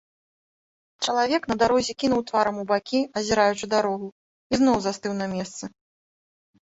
Чалавек на дарозе кінуў тварам у бакі, азіраючы дарогу, і зноў застыў на месцы.